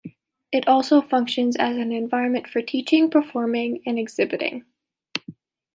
It also functions as an environment for teaching, performing, and exhibiting.